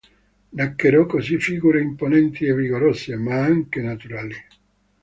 Nacquero così figure imponenti e vigorose, ma anche naturali.